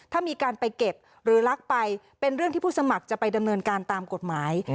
ถ้ามีการไปเก็บหรือลักไปเป็นเรื่องที่ผู้สมัครจะไปดำเนินการตามกฎหมาย